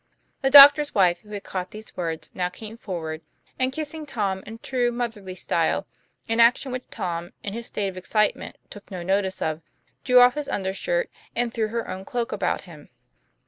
The doctor's wife, who had caught these words, now came forward, and kissing Tom in true motherly style an action which Tom, in his state of excite ment, took no notice of drew off his undershirt, and threw her own cloak about him.